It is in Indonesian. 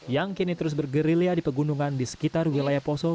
yang kini terus bergerilya di pegunungan di sekitar wilayah poso